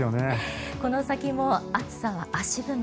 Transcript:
この先も暑さは足踏み。